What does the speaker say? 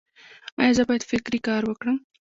ایا زه باید فکري کار وکړم؟